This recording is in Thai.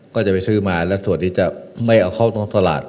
ก็จะไปซื้อมาและส่วนนี้จะไม่เอาเข้านอกตลาด